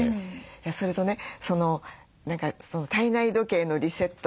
それとね体内時計のリセット